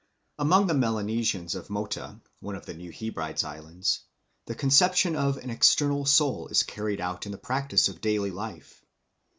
Among the Melanesians of Mota, one of the New Hebrides islands, the conception of an external soul is carried out in the practice of daily life.